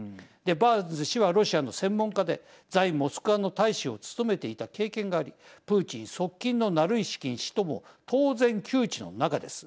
バーンズ氏はロシアの専門家で在モスクワの大使を務めていた経験がありプーチン側近のナルイシキン氏とも当然、旧知の仲です。